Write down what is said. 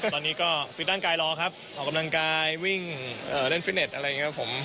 ตอนนี้ก็ฟิตร่างกายรอครับออกกำลังกายวิ่งเล่นฟิตเน็ตอะไรอย่างนี้ครับผม